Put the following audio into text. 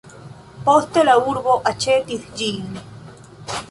Poste la urbo aĉetis ĝin.